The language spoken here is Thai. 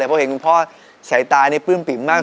เพราะเห็นคุณพ่อสายตานี่ปลื้มปิ่มมาก